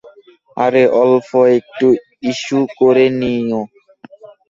আরে অল্প একটু হিসু করে নিও।